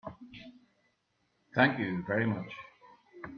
Thank you very much.